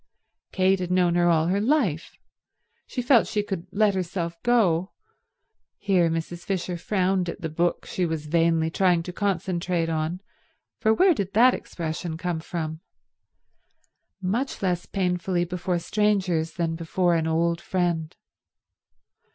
Kate had known her all her life. She felt she could let herself go—here Mrs. Fisher frowned at the book she was vainly trying to concentrate on, for where did that expression come from?—much less painfully before strangers than before an old friend.